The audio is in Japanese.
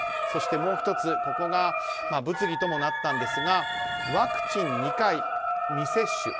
そして、もう１つここが物議ともなったんですがワクチン２回未接種。